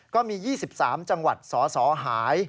ก็มี๒๓จังหวัดสสหาย